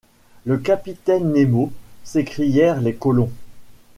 Le capitaine Nemo! s’écrièrent les colons.